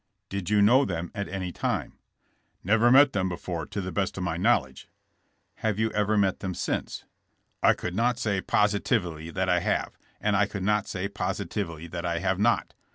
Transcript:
Did you know them at any time?" *' Never met them before to the best of my knowledge." Have you ever met them since?" ''I could not say positively that I have, and I could not say positively that I have not.